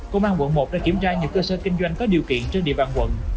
công an quận một đã kiểm tra nhiều cơ sở kinh doanh có điều kiện trên địa bàn quận